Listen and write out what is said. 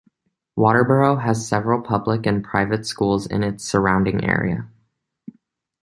Walterboro has several public and private schools in its surrounding area.